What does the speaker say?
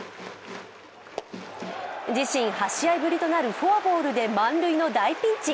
自身８試合ぶりとなるフォアボールで満塁の大ピンチ。